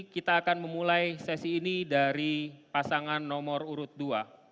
kita akan memulai sesi ini dari pasangan nomor urut dua